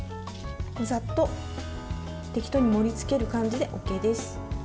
ざっと適当に盛りつける感じでＯＫです。